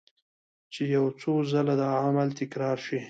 چې يو څو ځله دا عمل تکرار شي